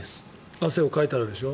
汗をかいたらでしょ。